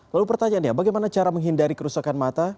lalu pertanyaannya bagaimana cara menghindari kerusakan mata